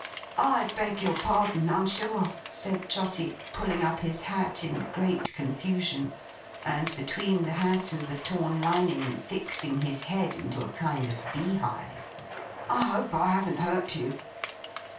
'I beg your pardon, I'm sure!' said Trotty, pulling up his hat in great confusion, and between the hat and the torn lining, fixing his head into a kind of bee hive. 'I hope I haven't hurt you.